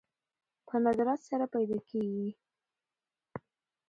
په ندرت سره پيدا کېږي